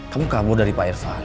kamu kabur dari pak irvan